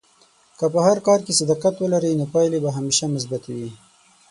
که په هر کار کې صداقت ولرې، نو پایلې به همیشه مثبتې وي.